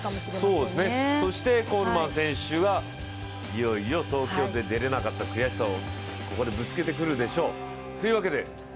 コールマン選手がいよいよ東京で出れなかった悔しさをここでぶつけてくるでしょう。